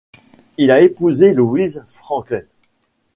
Il a épousé Louise Frankl.